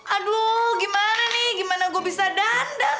aduh gimana nih gimana gue bisa dandang